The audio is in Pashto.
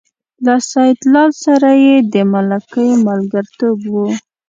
له سیدلال سره یې د ملکۍ ملګرتوب و.